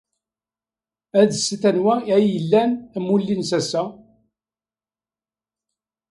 Adset anwa ay ilan amulli-nnes ass-a!